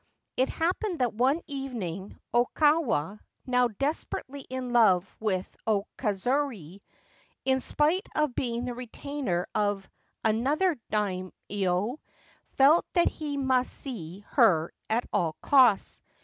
It happened that one evening Okawa, now desperately in love with O Kazuye, in spite of being the retainer of another Daimio, felt that he must see her at all costs.